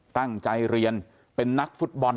ตั้งใจเรียนเป็นนักฟุตบอล